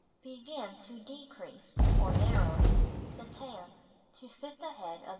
Begin to "decrease." or narrow, the tam to fit the head of doll.